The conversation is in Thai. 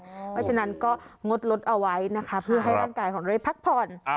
เพราะฉะนั้นก็งดลดเอาไว้เพื่อให้การกายผลกฎคอน